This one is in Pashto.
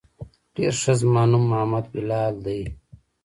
ډېر ښه زما نوم محمد بلال ديه.